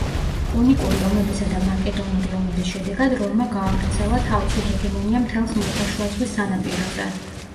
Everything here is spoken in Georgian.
პუნიკური ომებისა და მაკედონური ომების შედეგად რომმა გაავრცელა თავისი ჰეგემონია მთელ ხმელთაშუა ზღვის სანაპიროზე.